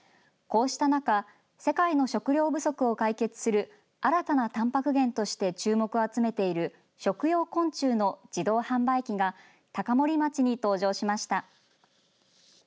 こうした中世界の食糧不足を解決する新たなたんぱく源として注目を集めている食用昆虫の自動販売機が高森町に登場しました。